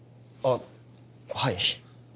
あっはい。